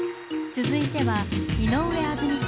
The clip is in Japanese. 続いては井上あずみさん